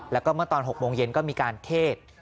แล้วก็เมื่อตอน๖โมงเย็นก็มีการเทศ